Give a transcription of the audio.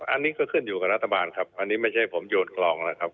อันนี้ก็ขึ้นอยู่กับรัฐบาลครับอันนี้ไม่ใช่ผมโยนคลองนะครับ